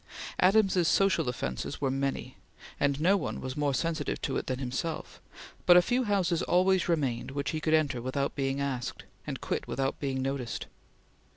Adams's social offences were many, and no one was more sensitive to it than himself; but a few houses always remained which he could enter without being asked, and quit without being noticed.